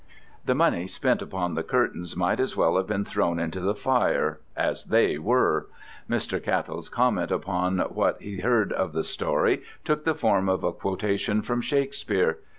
The money spent upon the curtains might as well have been thrown into the fire, as they were. Mr. Cattell's comment upon what he heard of the story took the form of a quotation from Shakespeare.